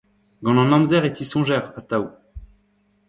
Gant an amzer e tisoñjer, atav.